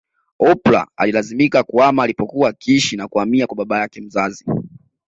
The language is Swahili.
Oprah alilazimika kuhama alipokuwa akiishi na kuhamia kwa baba yake mzazi